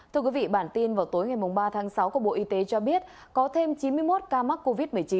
thưa quý vị bản tin vào tối ngày ba tháng sáu của bộ y tế cho biết có thêm chín mươi một ca mắc covid một mươi chín